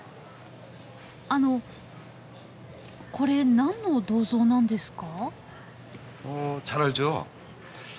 あのこれ何の銅像なんですか？